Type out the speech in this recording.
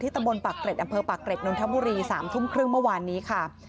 ตำบลปากเกร็ดอำเภอปากเกร็ดนนทบุรี๓ทุ่มครึ่งเมื่อวานนี้ค่ะ